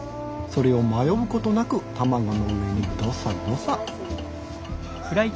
それを迷うことなく卵の上にどさどさ。